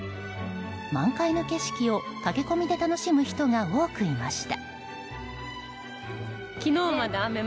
満開の景色を駆け込みで楽しむ人が多くいました。